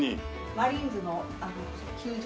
マリーンズの球場。